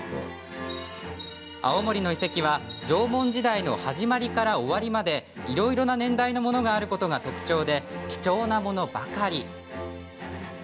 青森の遺跡は縄文時代の始まりから終わりまでいろいろな年代のものがあることが特徴で貴重なものばかり。